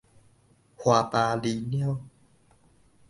花巴哩貓